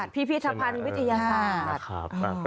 พิพิธภัณฑ์วิทยาศาสตร์